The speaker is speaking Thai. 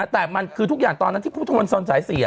แต่มันคือทุกอย่างตอนนั้นที่พุทธมนตรสาย๔